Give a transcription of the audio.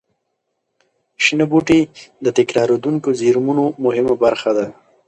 شنه بوټي د تکرارېدونکو زېرمونو مهمه برخه ده.